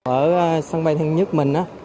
ở sân bay tân sơn nhất mình